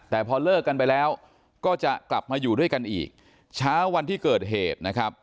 แต่พอเลิกกันไปแล้วก็จะกลับมาอยู่ด้วยกันอีกเช้าวันที่เกิดเหตุนะครับ